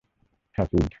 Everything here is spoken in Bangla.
হ্যা, সিড।